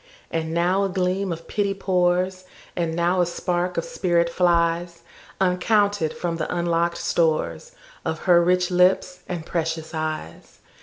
And now a gleam of pity pours, And now a spark of spirit flies, Uncounted, from the unlock'd storesOf her rich lips and precious eyes.